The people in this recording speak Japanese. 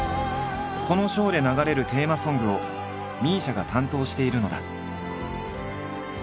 このショーで流れるテーマソングをＭＩＳＩＡが担当しているのだ。